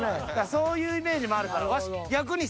そういうイメージもあるから。